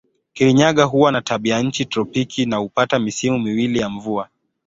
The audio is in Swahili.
Kirinyaga huwa na tabianchi tropiki na hupata misimu miwili ya mvua.